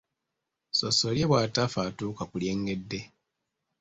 Ssossolye bw’atafa atuuka ku lyengedde.